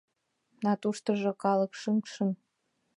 А туштыжо — калык шыҥ-шыҥ.